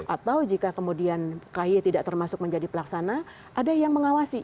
atau jika kemudian ky tidak termasuk menjadi pelaksana ada yang mengawasi